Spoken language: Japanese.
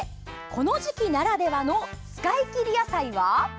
この時期ならではの使い切り野菜は。